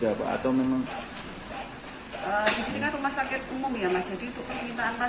di rsud jombang latifatul menyebutkan